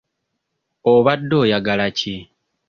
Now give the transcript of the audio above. Obadde oyagala ki?